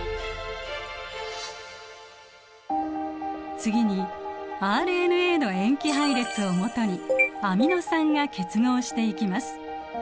次にＲＮＡの塩基配列をもとにアミノ酸が結合していきます。